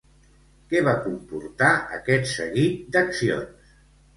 Què va comportar aquest seguit d'accions?